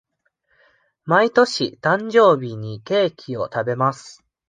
毎年誕生日にケーキを食べます。